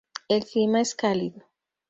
El clima es cálido.